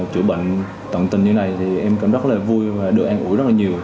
chữa bệnh tận tình như thế này thì em cảm rất là vui và được an ủi rất là nhiều